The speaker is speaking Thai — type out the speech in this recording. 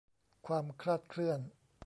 ความคลาดเคลื่อน